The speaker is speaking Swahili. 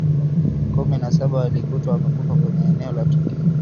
kumi na saba walikutwa wamekufa kwenye eneo la tukio